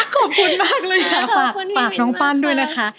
ขอบคุณมากเลยค่ะฝากน้องปั้นด้วยนะคะ